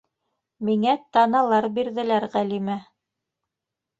Миңә таналар бирҙеләр, Ғәлимә...